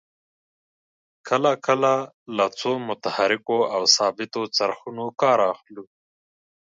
کله کله له څو متحرکو او ثابتو څرخونو کار اخلو.